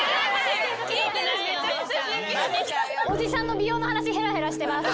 おじさんの美容の話ヘラヘラしてます。